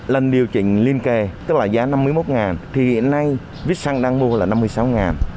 lần điều chỉnh liên kề tức là giá năm mươi một thì hiện nay vít xăng đang mua là năm mươi sáu